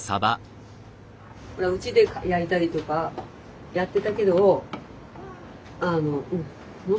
うちで焼いたりとかやってたけどあのうん。